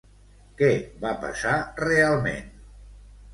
Què va passar realment?